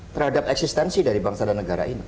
terhadap eksistensi dari bangsa dan negara ini